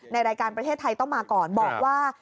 ในรายการประเทศไทยต้องมาก่อนบอกว่า